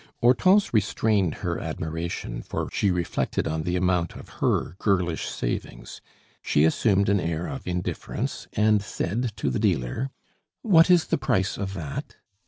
Hortense restrained her admiration, for she reflected on the amount of her girlish savings; she assumed an air of indifference, and said to the dealer: "What is the price of that?"